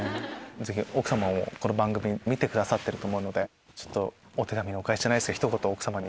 奥様もこの番組見てくださってると思うのでお手紙のお返しじゃないですけどひと言奥様に。